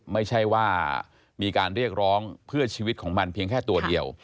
ไม่ใช่ว่ามีการเรียกร้องเพื่อชีวิตของมันเพียงแค่ตัวเดียว